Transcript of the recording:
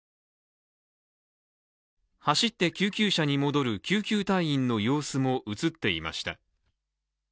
走って救急車に戻る救急隊員の様子も映っていました。